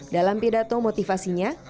dalam pidato motivasinya